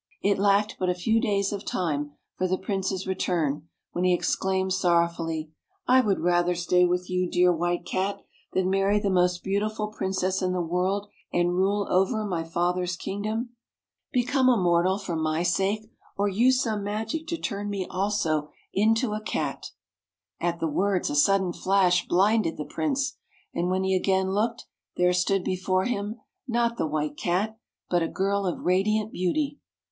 It lacked but a few days of time for the Prince's return, when he exclaimed sorrow fully, " I would rather stay with you, dear White Cat, than marry the most beautiful Princess in the world, and rule over my father's kingdom. Become a mortal for [ 69 ] FAVORITE FAIRY TALES RETOLD my sake, or use some magic to turn me also into a Cat." At the words, a sudden flash blinded the Prince, and when he again looked, there stood before him, not the White Cat, but a girl of radiant beauty.